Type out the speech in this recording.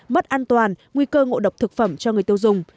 mất an toàn nguy cơ ngộ độc thực phẩm cho người tiêu dùng